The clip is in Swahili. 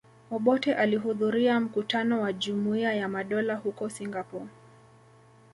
Obote alihudhuria mkutano wa Jumuiya ya Madola huko Singapore